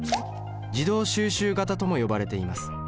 自動収集型とも呼ばれています。